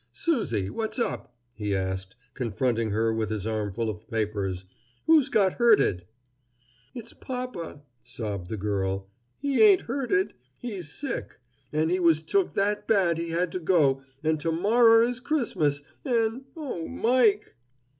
"Susie, what's up?" he asked, confronting her with his armful of papers. "Who's got hurted?" "It's papa," sobbed the girl. "He ain't hurted. He's sick, and he was took that bad he had to go, an' to morrer is Christmas, an' oh, Mike!"